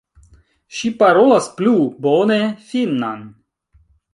Ŝi parolas plu bone finnan.